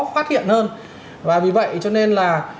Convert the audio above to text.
phát hiện hơn và vì vậy cho nên là